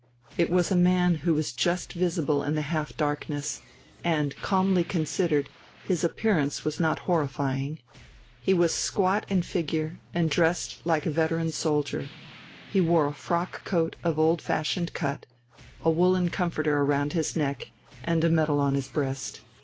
It was a man who was just visible in the half darkness, and, calmly considered, his appearance was not horrifying. He was squat in figure, and dressed like a veteran soldier. He wore a frock coat of old fashioned cut, a woollen comforter round his neck and a medal on his breast.